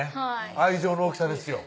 愛情の大きさですよ